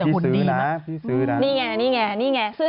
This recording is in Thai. แต่พี่ซื้อนะพี่ซื้อนะนี่ไงนี่ไงนี่ไง